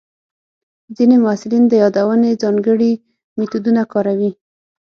ځینې محصلین د یادونې ځانګړي میتودونه کاروي.